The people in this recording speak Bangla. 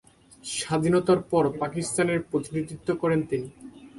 স্বাধীনতার পর পাকিস্তানের প্রতিনিধিত্ব করেন তিনি।